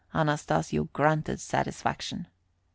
Anastasio grunted satisfaction.